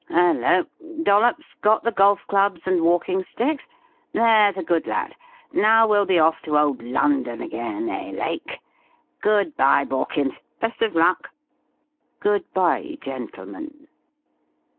Hello! Dollops, got the golf clubs and walking sticks? That's a good lad. Now we'll be off to old London again eh, Lake? Good bye, Borkins. Best of luck." "Good bye, gentlemen."